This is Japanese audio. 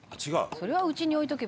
「それはうちに置いておけば」